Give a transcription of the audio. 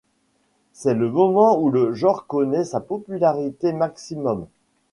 C'est le moment où le genre connaît sa popularité maximum.